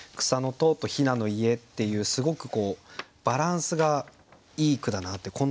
「草の戸」と「ひなの家」っていうすごくバランスがいい句だなって。